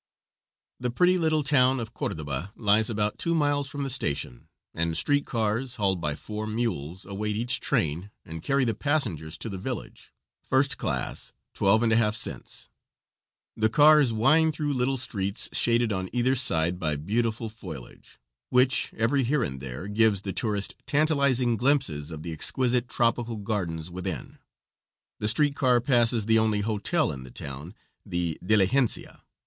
The pretty little town of Cordoba lies about two miles from the station, and street cars, hauled by four mules, await each train and carry the passengers to the village first class, twelve and a half cents; the cars wind through little streets shaded on either side by beautiful foliage, which, every here and there, gives the tourist tantalizing glimpses of the exquisite tropical gardens within; the street car passes the only hotel in the town the Diligencia.